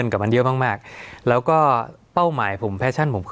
สวัสดีครับทุกผู้ชม